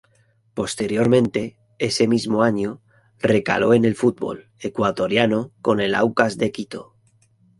Posteriormente, ese mismo año, recaló en el fútbol ecuatoriano con el Aucas de Quito.